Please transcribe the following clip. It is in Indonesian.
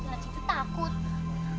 gak itu takut